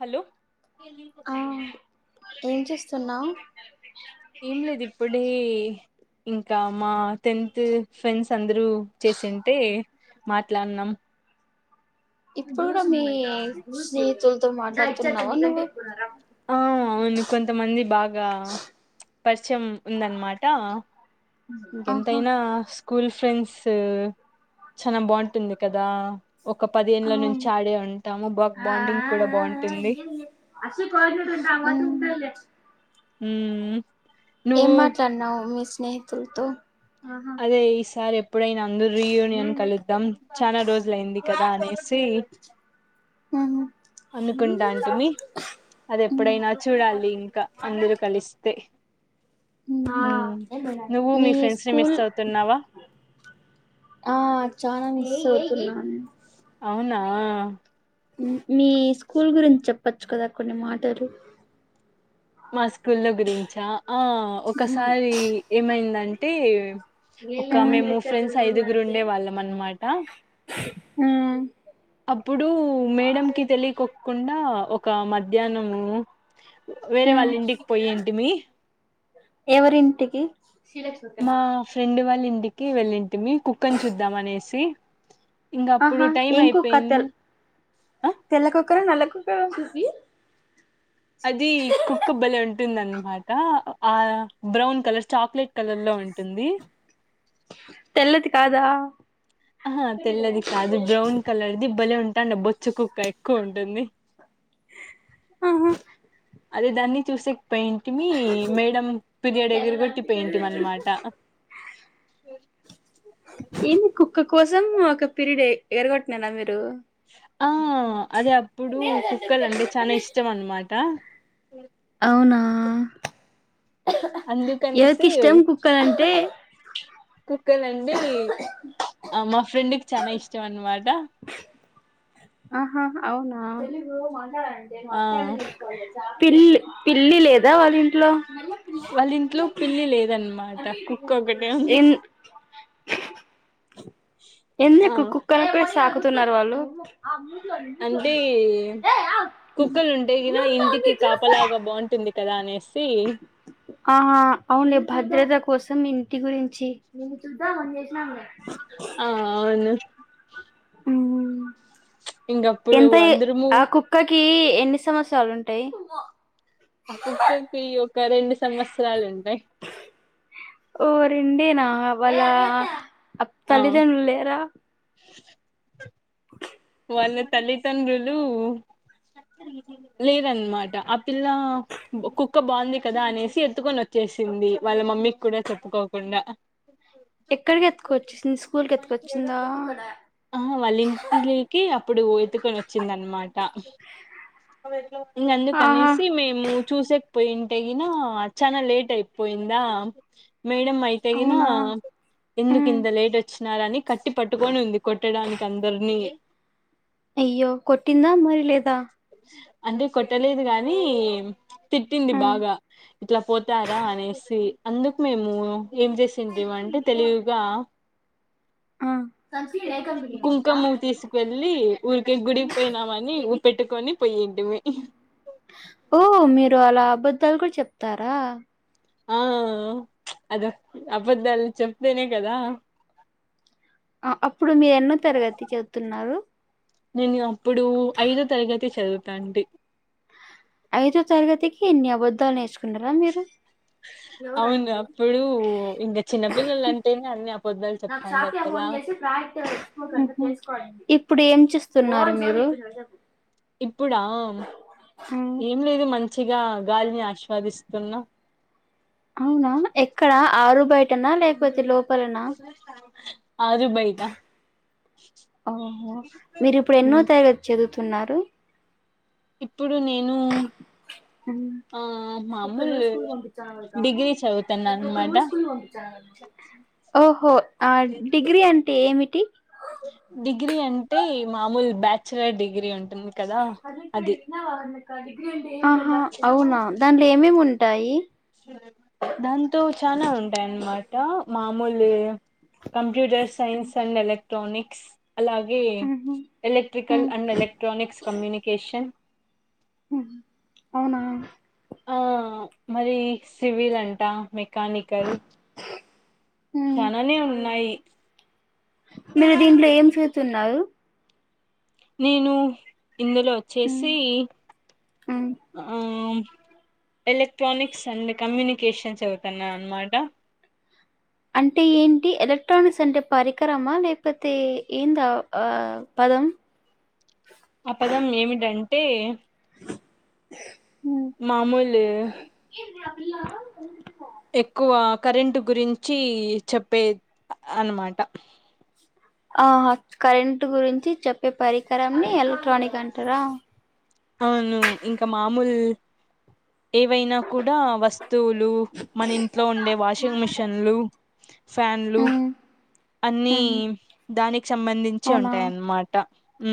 Hello ఆ ఏం చేస్తున్నావు్ ఏం లేదు ఇప్పుడే ఇంకా మా టెన్త్ ఫ్రెండ్స్ అందరూ చేసింటే మాట్లానాం ఇపుడు కూడా మీ స్నేహితుల్ తో మాట్లాడుతున్నావా నువ్వు ఆ అవును కొంతమంది బాగా పరిచయం ఉందనమాట ఆహా ఇంకెంతయినా స్కూల్ ఫ్రెండ్స్ చాలా బాగుంటుంది కదా ఒక పదిేంల నుంచి అవును ఆడే ఉంటాము బర్క్ బాండింగ్ కూడా బాగుంటుంది ఉమ్ హమ్ ఏం మాట్లాడినావ్ మి స్నేహితులతో అదే ఈ సారిే ఇప్పుడైనా అందరుూ రీయూనియన్ కలుద్దాం చాలా రోజులయింది కదా అనేస్ అనేసి ఉమ్, అనుకుంటాంటిమీ అది ఉమ్, ఎప్పుడైనా చూడాలి ఇంకా అందరుూ కలిసి తే నువ్వు మీ ఫ్రెండ్స్ ని మిస్ స్కూల్ అవుతున్నావా ఆ చానా సదుతున్నా అవునా ఉమ్ మీ స్కూల్ గురించి చెప్ ప్పచ్చు కదా కొన్ని మాటలు. మా స్కూల్లో గురించా, ఆ ఒకసారి ఏమైందం టె ఒక మేము ఫ్రెండ్స్ ఐదుగురు ఉండే వాళ్ళం అనమాట, ఆ అప్పుడు మేడం కి తెలియకొ కుండా ఒక మధ్యాహ్నము వేరే ఆ వాళ్ళ ఇంటికి పోయింటిమీ ఎవరింటికి? మా ఫ్రెండ్ వాళ్ళ ఇన్ ఇంటికి వెళ్ళింటిమి కుక్కని చూద్దాం అనేసి ఇంక అప్పుడు ఆహా టైం ఏం కుక్క అయిపోయింది తెల్ ఆ తెల్లకుక్క న నల్లకుక్క [unintelligible] అది కుక్క బలే ఉంటుందన్ మాట ఆ బ్రౌన్ కలర్ చాక్లెట్ కలర్ లో ఉంటుంది. తెల్లది కాదా? అహా తెల్లది కాదు, అ బ్రౌన్ కలర్ది బలే ఉం తండ బొచ్చ కుక్క ఎక్కువ ఉంటుంది. ఆహా అదే దాన్ని చూసి పెయింటిమి, మేడం పిర్యడ్ ఎదరగొట్టి పెయింటినమాట ఏంది కుక్క కోసం ఒక పీరియడ్ ఏ ఎరగొట్ననా అందరు ఆ అదే అప్పుడు కుక్కలు అంటే చాన ఇష్టం అన్నమాట, అవునా ఎవరికి అందుకనేసి ఇష్టం కుక్కలంటే కుక్కల అండి అ మా ఫ్రెండ్కి చాన ఇష్టం అన్నమాట. ఆహా అవునా అడి ఆ మొత్త పిల్ పిల్లి లేదా వాళ్ళ ఇంట్లో? వాళ్ళ ఇంట్లో పిల్లి లేదన్నమాట కుక్క ఒకటె ఉంది. ఎన్ ఎంది ఆ కుక్క సాకుతున్నరు వాళ్ళు అంటే కుక్కలు ఉంటే కన ఇంటికి కాపలాగా బాగుంటుంది కదా అనేసి ఆహా అవును భద్రద కోసం ఇంటి గురించి ఆ అవును ఉమ్ ఇంకప్పుడు ఎంత అందరము ఆ కుక్కకి ఎన్ని సంవత్సరాలు ఉంటాయి ఆ కుక్కకి ఒక రెండు సంవత్సరాలు ఉంటాయి ఆ వల్ల ఆ తల్లి తండ్రులు లేరా వల్ల తల్లి త తండ్రులు లేదన్నమాట ఆ పిల్ల కుక్క బాగుంది కదా అనేసి ఎత్తుకొని వచ్చేసింది వాళ్ళ మమ్మీకి కూడా చెప్పుకోకుండా ఎక్కడికి ఎతుకొచ్చేసింది స్కూల్కి ఎతుకొచ్చిందా ఇప్పుడు ఎతుకొని వచ్చింద అనమాట ఇంక ఆహా అందుకనేసి మేము చూసే పోయింటగిన చనా లేట్ అయిపోయిందా మేడం అయితే కిన అవునా ఎందుకు ఇంత లేట్ వచ్చినారని కట్టి పట్టుకొని ఉంది కొట్టడానికి అందరినీ అయ్యో కొట్టిందా మరి లేదా అంటే కొట్టలేదు గానీ తిట్టింది బాగా ఇట్లా పోతారా అనేసి అందుకు మేము ఏం చేసిందిమ అంటే తెలివిగా కుంకమ తీసు వెలి ఊరికే గుడికి పోయినామని పెట్టుకొని పోయింటిమి ఓ మీరు అలా అబద్ తలుగు చెప్తారా ఆ అద అబద్ధాలు చెప్తేనే కదా ఆ అప్పుడు మీరు ఎన్నో తరగతి చదుతున్నారు నేను అప్పుడు ఐదో తరగతి చదువుతా అండి ఐదో తరగతికి ఇన్ని అబద్ధాలు నేర్చు అవునా ఇప్పుడు ఏం చేస్తున్నారు మీరు ఇప్పుడా ఏం లేదు మం చ్చిగా గాలి అవునా ఎక్కడ? ఆరు బయటనా లేకపోతే లో ఉం ఓహో మీరు ఇప్పుడు ఎన్నో ఉమ్, తరగతి చదువు తున్నారు? ఇప్పుడు నేనూ క స్కూల్ంచ్చ డిగ్రీ చదువుతున్నా అనమాట స్కూల్కి ఓో ఆ డిగ్రీ అంటే ఏమిటి డిగ్రీ అంటే మామూలు బ్యాచ్లర్ డిగ్రీ ఉంటుంది కదా అది హహ అవునా ఏమేమ్ ఉంటాయి. దాంతో చాలా ఉంటాయన్నమాట మామూలు computer science and electronics అలాగే ఉహు ఉ ఎలక్ట్రికల్ అండ్ ఎలక్ట్రానిక్స్ కమ్యూనికేషన్ అవునా ఆ మరి సివిల్ అంటా మేక్ కానికల్ ఉ చాలానే ఉన్నాయి సున్నారు నేను ఇందులో ఉ వచ్చేసి ఉ ఆ హా ఎలక్ట్రానిక్స్ అండ్ కమ్యూని కేషన్ చెదుతున్నా అనమాట అంటే ఏంటి ఎలక్ట్రానిక్స్ అంటే పరికరమా లేకపోతే ఏంద దా పదం ఆ పదం ఏమిటండి? తె హా మామూలు అ ఎక్కువ కరెంటు గురించి చెప్పే అనమాట ఆ కరెంట్ గురించి చెప్పే పరికరంని ఎలక్ట్రానిక్ అంటరా? అవును ఇంకా మా ముల్ ఏవైనా కూడా వస్తువులు మన ఇంట్లో ఉండే వాషింగ్ మిషన్లు ఫ్యాన్లు ఉమ్ అన్ని ఉహు దానికి సంబంధించి అవునా ఉంటాయన్నమాట ఉ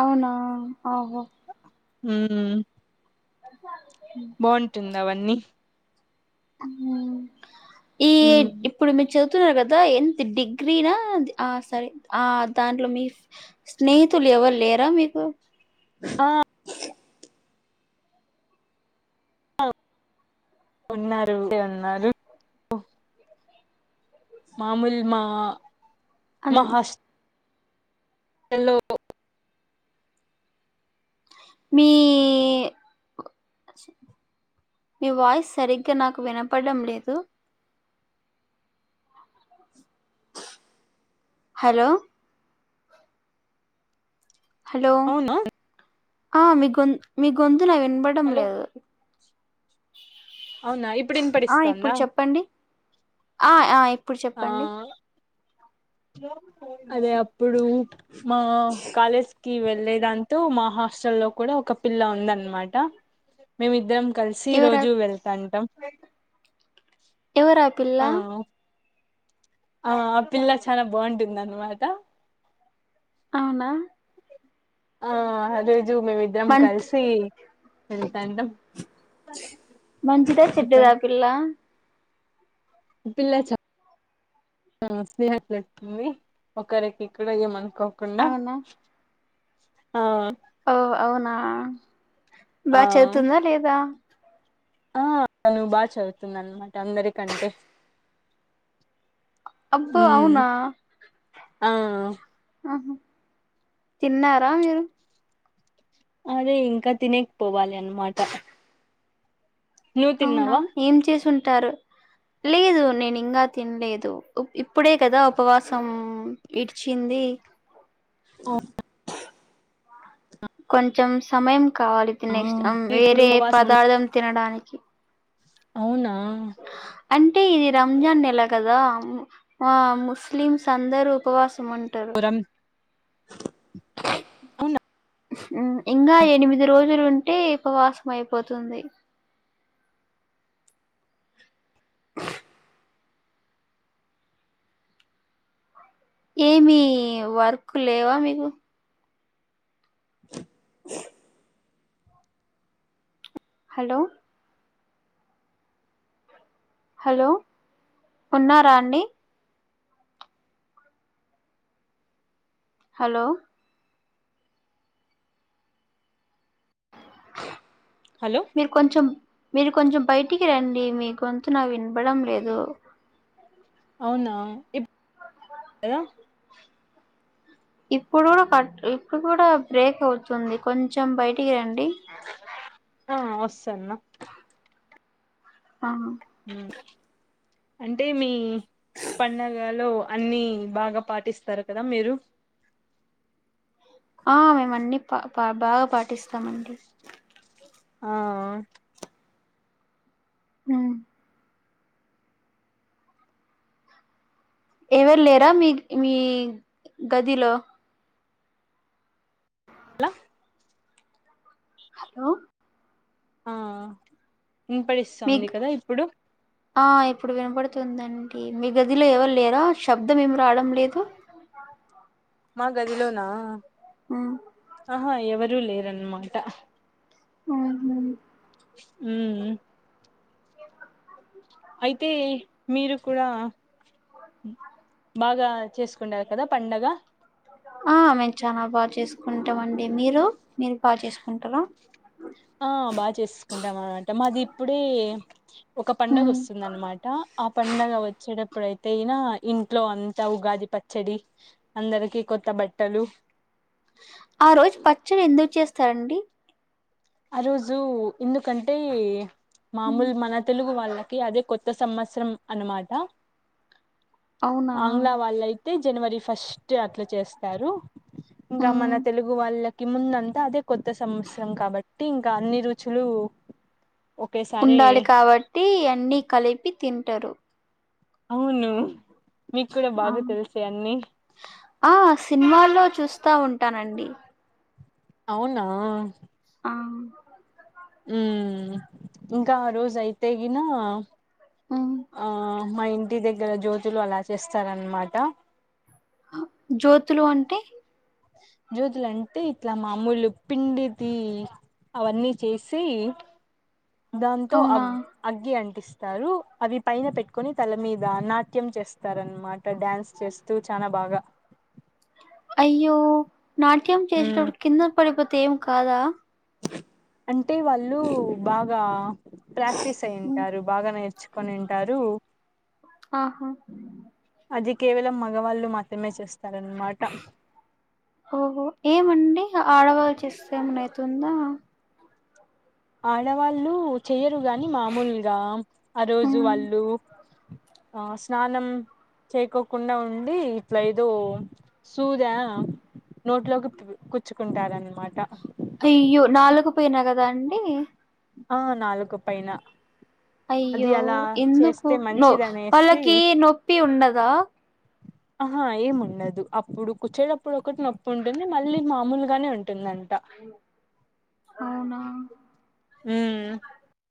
అవునా ఆహో హ బావుంటుందా అవన్నీ హ ఈ ఉమ్ ఇప్పుడుమిచ్చ చదువుతురు కదా ఎంత డిగ్రీనా ఆ సరే ఆ దాంట్లో మీ స్నేహితులు ఎవరు లేరా మీకు ఆ ఉన్నారు అండి ఉన్నారు మామూలు మావ అన్ మహాస్ హలో మీ మీ వాయిస్ సరిగ్గా నాకు వినపడడం లేదు హలో హలో అవునా ఆ మీగొంతు మీగొంతు వినబడం హలో లేదు అవునా ఇప్పుడు ఆ ఇప్పుడు వినపడిస్తాందా చెప్పండి ఆ ఆ ఇప్పుడు ఆ చెప్పండి అదే అప్పుడు మా కాలేజ్ కి వెళ్ళే దాంతో మా హాస్ట లో కూడా ఒక పిల్ల ఉందనమాట మేమిద్దరం కలిసి ఎవరా రోజు వెళ్తాంటం అ ఎవరా పిల్ల ఆ ఆ పిల్ల చాలా బాగుంటుంది అన్నమాట అవునా ఆ అదే జు మేమిద్దం మంచి కలిసి అది మంచిదా చెడ్డదా అ చెప్పండి పిల్ల పిల్ల చెప్పు స్నేహితులకి ఒకరికి ఇక్కడ ఏమనా కోకుండా అవునా ఆ ఓ అవునా బాగా ఆ చదువుతుందా లేదా ఆ నువు బాగా చదువుతుంది అనమాట అందరికంటే అబ్బ ఉమ్ అవునా ఆ ఆహ తిన్నారా మీరు అదే ఇంకా తినేకి పోవాలి అన్నమాట అవునా ఏం చేసున్ టారు లేదు నేను ఇంగా తినలేదు ఇప్పుడే కదా ఉపవాసం ఇడిచింది ఓ కొంచెం సమయం కావాలి నెక్స్ట్ ఇప్పుడు వేరే ఉపవాసం ఉన్ పదార్థం తినడానికి అవునా అంటే ఇది రంజాన్ నెల కదా ఆ ముస్లిమ్స్ అందరు ఉపవాసం సుమంటారు రం అవునా ఇంకా ఎనిమిది రోజులుంటే ఉపవాసం అయిపోతుంది ఏమి వర్క్ లేవా మీకు హలో హలో ఉన్నారా అండి హలో హలో మీరు కొంచెం మీరు కొంచెం బయటికి రండి మీ గొంతు నాకు వినబడం లేదు అవునా ఇప్ రా ఇప్పుడు కూడా కట్ ఇప్పుడు కూడా బ్రేక్ అవుతుంది కొంచెం బయటికి రండి హా వస్తాన్న ఆ ఉ అంటే మీ పండగలో అన్ని బాగా పాటిస్తారు కదా మీరు ఆ మేమన్నీ పా పా బాగా పాటిస్తామండి ఆ ఉ ఏవరు లేరా మీ మీ గదిలో ల హలో ఆ మీ వినపడిస్తోంది కదా ఇప్పుడు ఆ ఇప్పుడు వినపడుతుందండి, మీ గదిలో ఎవర్లేరా, శబ్దమేం రావడం లేదు? మా గదిలోనా, హ్మ్. ఆహా ఎవరూ లేర్ దన్నమాట ఆహా ఉమ్ అయితే మీరు కూడా, బాగా చేసుకుండారు కదా పండగ? ఆ, మేము చాల బాగా చేసుకుంటమన్ డి మీరు? మీరు బాగా చేసుకుంటారా ఆ బాగా చేసుకుంటామనట్ మాది అప్పుడే ఒక హ్మ్. పండగొస్తుందన్నమాట, ఆ పండగ వచ్చేటప్ ప్పుడైతే ఇనా ఇంట్లో అంతా ఉగాది పచ్చడి, అందరికి కొత్త బట్టలు ఆ రోజు పచ్చడి ఎందుకు చేస్ తరండి ఆ రోజు ఎందుకంటే హ్మ్. మామూలు మన తెలుగు వాళ్ళకి అదే కొత్ త్త సంవత్సరం అన్నమాట. అవునా ఆంగ్లా వాళ్లై టి జనవరి ఫస్ట్ అట్ల చేస్తారు. ఇంగా మన హ్మ్. తెలుగు వాళ్ళక్ టి ముందంతా, అదే కొత్త సంవత్సరం కాబట్ టే ఇంకా అన్ని రుచులు ఒకేసారి ఉండాలె కాబట్టి అన్నీ కలిపి తింటరు. అవును. మీకు కూడా బాగా తెలిసే అన్ని ఆ సినిమాల్లో చూస్తా ఉన్ తనండి. అవునా ఆ ఉమ్ ఇంకా, ఆ రోజు అయితే గినా ఆ మా ఇంటి దగ్గర జ్యోతులు అలా చేస్తారన్నమాట. జ్యోతులు అంటే? జ్యోతులంటే ఇట్ల మామూలు పిండిదీ అవన్నీ చేసి దాంతో అవునా అగ్ అగ్గి అంటిస్ తారు. అవి పైన పెట్టుకొని తల మీద నాట్యం చేస్తారన్నమాట, డ్యాన్స్ చేస్తూ చాన బాగా అయ్యో! నాట్యం ఉమ్ చేసేటపుడు కింద పడిపోతే ఏం కాదా! అంటే వాళ్ళు బాగా ప్రాక్టీస్ హ్మ్. అయింటారు. బాగా నేర్చ్ కొనుంటారు. ఆహా అది కేవలం మగవాళ్ళు మాత్రమే చేస్ ఓహో ఏమండి ఆడవాళ్ళు చేస్తే ఏం అన్న అయి తుందా? ఆడవాళ్ళు చెయ్యరు గాని మామూలుగా ఆ రోజు ఉమ్. వాళ్ళు ఆ స్నానం చేయికోకుండా ఉండి ఇట్ల ఏదో సూదా నోట్లోకి కుచ్చుకుంటారన్ తియ్యో నాలుక పొయిన కదా అండి. ఆ నాలుక పైనా అయ్యో ఎందుకు నో మంచిదనేసి వాళ్ళకి నొప్పి ఉండదా! ఆహా ఏం ఉండదు. అప్పుడు కుచ్చేటప్పుడు ఒకటి నొప్పి ఉంటుంది. మళ్ళీ మామూలుగానే ఉం అవునా ఉమ్